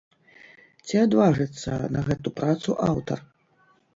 Ці адважыцца на гэту працу аўтар?